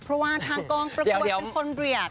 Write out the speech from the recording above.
เพราะว่าทางกองประกวดเป็นคนเรียบ